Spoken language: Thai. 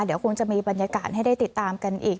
เดี๋ยวคงจะมีบรรยากาศให้ได้ติดตามกันอีก